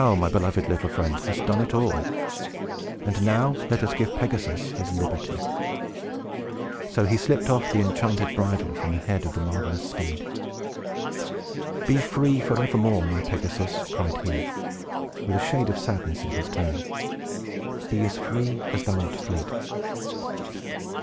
Thou, my beloved little friend, hast done it all. And now let us give Pegasus his liberty." So he slipped off the enchanted bridle from the head of the marvelous steed. "Be free, forevermore, my Pegasus!" cried he, with a shade of sadness in his tone. "Be as free as thou art fleet!"